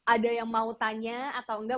ada yang mau tanya atau enggak